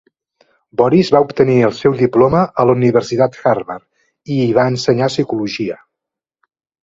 Boris va obtenir el seu diploma a la Universitat Harvard, i hi va ensenyar psicologia.